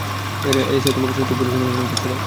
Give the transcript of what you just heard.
Alicia, তোমাকে সত্যিই police অনুসরণ করছিল?